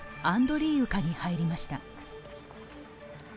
アンドリーウカに入りました。